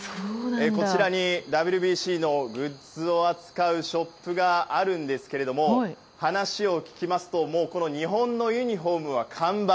こちらにＷＢＣのグッズを扱うショップがありますが話を聞きますと日本のユニホームは完売。